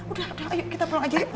udah ayo kita pulang aja